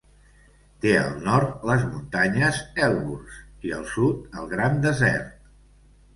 Té al nord les muntanyes Elburz i al sud el Gran Desert.